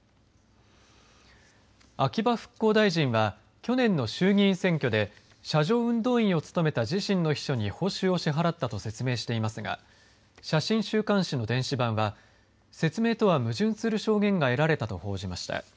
秋葉復興大臣は、去年の衆議院選挙で、車上運動員を務めた自身の秘書に報酬を支払ったと説明していますが、写真週刊誌の電子版は、説明とは矛盾する証言が得られたと報じました。